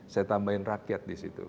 saya tambahin rakyat di situ